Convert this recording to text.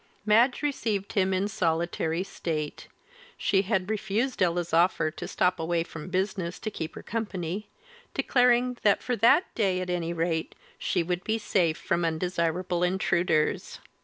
Madge received him in solitary state; she had refused Ella's offer to stop away from business to keep her company, declaring that for that day, at any rate, she would be safe from undesirable intruders.